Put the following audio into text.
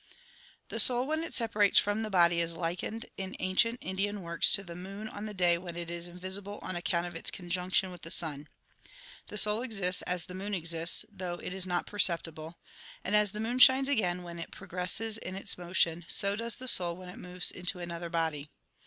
The soul when it separates from the body is likened in ancient Indian works to the moon on the day when it is invisible on account of its conjunction with the sun. The soul exists as the moon exists, though it is not perceptible ; and as the moon shines again when it progresses in its motion, so does the soul when it moves into another body.